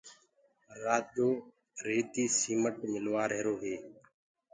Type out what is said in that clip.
رآجو ريتي سيمٽ ملوآهيرو هي